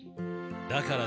だから